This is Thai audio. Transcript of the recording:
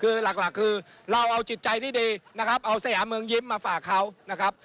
คือหลักคือเราเอาจิตใจที่ดีนะครับเอาสยามเมืองยิ้มมาฝากเขานะครับ